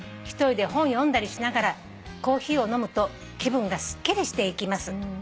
「１人で本読んだりしながらコーヒーを飲むと気分がすっきりしていきます」